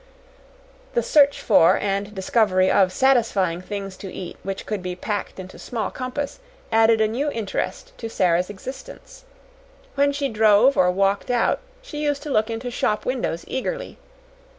The search for and discovery of satisfying things to eat which could be packed into small compass, added a new interest to Sara's existence. When she drove or walked out, she used to look into shop windows eagerly.